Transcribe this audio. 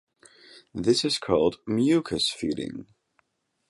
This is called mucus feeding.